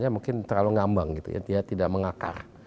mungkin terlalu ngambang tidak mengakar